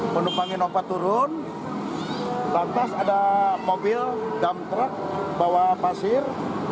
pendumpang inovatorun lantas ada mobil dump truck bawa pasir